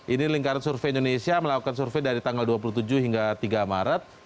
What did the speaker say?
ini lingkaran survei indonesia melakukan survei dari tanggal dua puluh tujuh hingga tiga maret